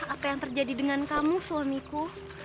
apa yang terjadi dengan kamu suamiku